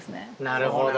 なるほど。